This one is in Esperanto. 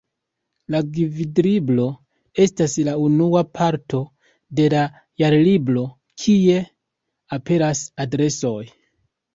La „Gvidlibro” estas la unua parto de la Jarlibro, kie aperas adresoj.